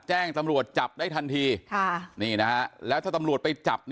แจ้งตำรวจจับได้ทันทีแล้วถ้าตำรวจไปจับ